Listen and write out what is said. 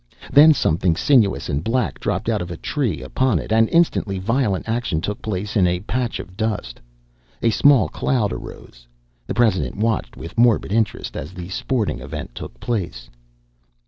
Then something sinuous and black dropped out of a tree upon it and instantly violent action took place in a patch of dust. A small cloud arose. The president watched, with morbid interest, as the sporting event took place.